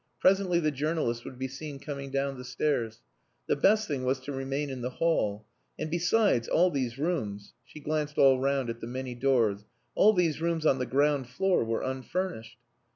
Presently the journalist would be seen coming down the stairs. The best thing was to remain in the hall; and besides, all these rooms (she glanced all round at the many doors), all these rooms on the ground floor were unfurnished.